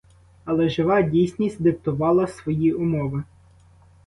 Але жива дійсність диктувала свої умови.